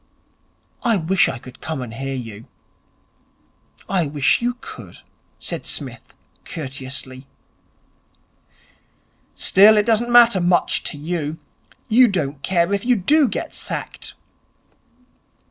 I wish I could come and hear you.' 'I wish you could,' said Psmith courteously. 'Still, it doesn't matter much to you. You don't care if you do get sacked.'